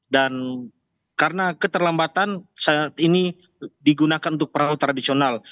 dan karena keterlambatan saat ini digunakan untuk perahu tradisional